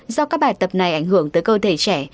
do các bài tập này ảnh hưởng tới cơ thể trẻ